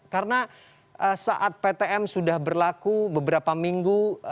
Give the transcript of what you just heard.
karena saat ptm sudah berlaku beberapa minggu